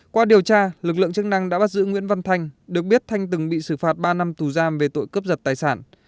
qua điều tra lực lượng chức năng đã bắt giữ nguyễn văn thanh được biết thanh từng bị xử phạt ba năm tù giam về tội cướp giật tài sản